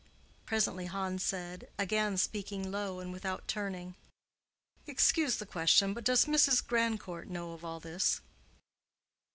Presently Hans said, again speaking low, and without turning, "Excuse the question, but does Mrs. Grandcourt know of all this?"